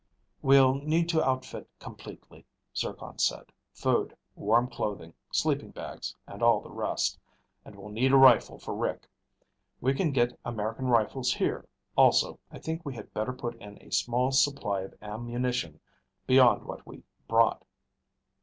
"We'll need to outfit completely," Zircon said. "Food, warm clothing, sleeping bags, and all the rest. And we'll need a rifle for Rick. We can get American rifles here. Also, I think we had better put in a small supply of ammunition beyond what we brought."